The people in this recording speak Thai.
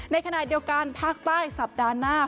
ในขณะเดียวกันภาคใต้สัปดาห์หน้า